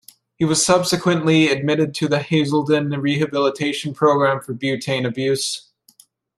He was subsequently admitted to the Hazelden rehabilitation program for butane abuse.